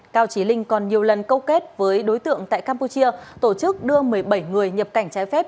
cao trí linh còn nhiều lần câu kết với đối tượng tại campuchia tổ chức đưa một mươi bảy người nhập cảnh trái phép